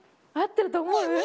合ってると思う？